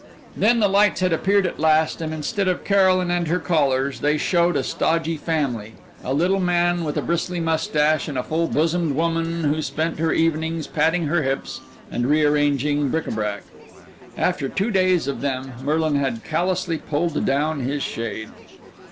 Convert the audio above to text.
Then the lights had appeared at last, and instead of Caroline and her callers they showed a stodgy family a little man with a bristly mustache and a full bosomed woman who spent her evenings patting her hips and rearranging bric à brac. After two days of them Merlin had callously pulled down his shade.